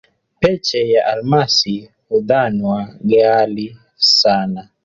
Peche ya almasi hudhanywa gali sana